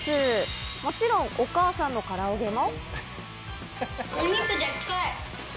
もちろん、お母さんのから揚げも。